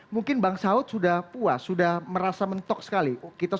mungkin bang saud sudah puas sudah merasa mentok sekali